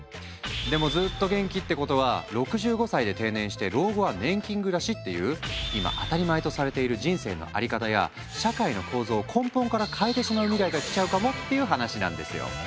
でもずっと元気ってことは６５歳で定年して老後は年金暮らしっていう今当たり前とされている人生の在り方や社会の構造を根本から変えてしまう未来が来ちゃうかもっていう話なんですよ！